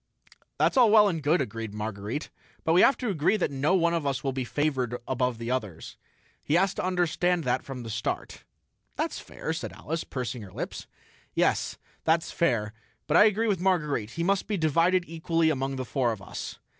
"That's well and good," agreed Marguerite, "but we have to agree that no one of us will be favored above the others. He has to understand that from the start." "That's fair," said Alice, pursing her lips. "Yes, that's fair. But I agree with Marguerite: he must be divided equally among the four of us."